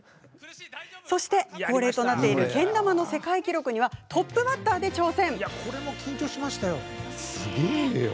そして、恒例のけん玉の世界記録にはトップバッターで挑戦。